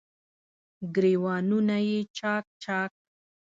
ګریوانونه یې چا ک، چا ک